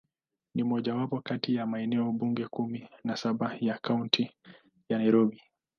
Ni mojawapo kati ya maeneo bunge kumi na saba ya Kaunti ya Nairobi.